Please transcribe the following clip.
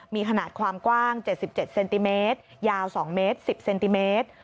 มีขนาดความกว้าง๗๗เซนติเมตรยาว๒เมตร๑๐เซนติเมตร